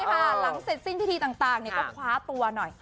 หลังเสร็จสิ้นพิธีต่างก็คว้าตัวหน่อย